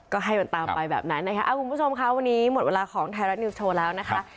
ก็ให้มันตามไปแบบนั้นนะคะคุณผู้ชมค่ะวันนี้หมดเวลาของไทยรัฐนิวส์โชว์แล้วนะคะ